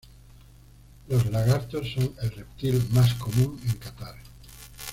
Los lagartos son el reptil más común en Catar.